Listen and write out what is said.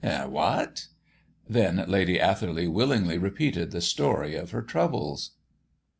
"Eh! what?" Then Lady Atherley willingly repeated the story of her troubles.